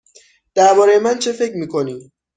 درباره من چه فکر می کنی؟